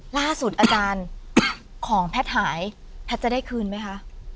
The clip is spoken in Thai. ล่าสุดอาจารย์ของแพทย์หายแพทย์จะได้คืนไหมคะ